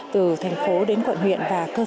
từ thành phố đến quận huyện